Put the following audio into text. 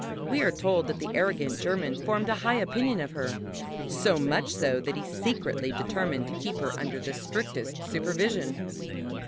We are told that the arrogant German formed a high opinion of her so much so that he secretly determined to keep her under the strictest supervision!